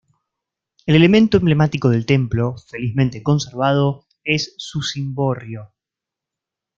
El elemento emblemático del templo, felizmente conservado, es su cimborrio.